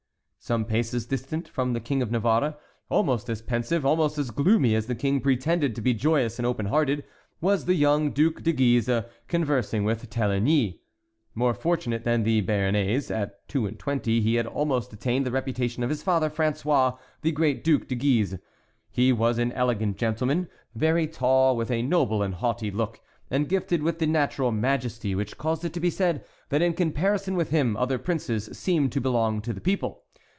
Some paces distant from the King of Navarre, almost as pensive, almost as gloomy as the king pretended to be joyous and open hearted, was the young Duc de Guise, conversing with Téligny. More fortunate than the Béarnais, at two and twenty he had almost attained the reputation of his father, François, the great Duc de Guise. He was an elegant gentleman, very tall, with a noble and haughty look, and gifted with that natural majesty which caused it to be said that in comparison with him other princes seemed to belong to the people.